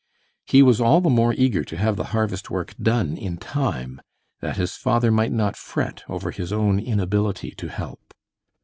He was all the more eager to have the harvest work done in time, that his father might not fret over his own inability to help.